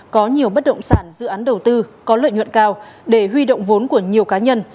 có nhiều bất động sản dự án đầu tư có lợi nhuận cao để huy động vốn của nhiều cá nhân